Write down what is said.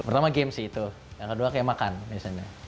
pertama game sih itu yang kedua kayak makan biasanya